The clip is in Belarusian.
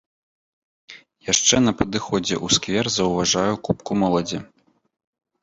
Яшчэ на падыходзе ў сквер заўважаю купку моладзі.